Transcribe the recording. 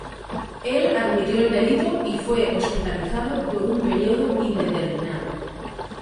Él admitió el delito y fue hospitalizado por un período indeterminado.